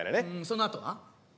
そのあとは？